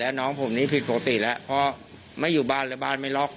แล้วน้องผมนี่ผิดปกติแล้วเพราะไม่อยู่บ้านแล้วบ้านไม่ล็อก